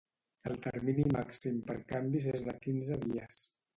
El termini màxim per canvis és de quinze dies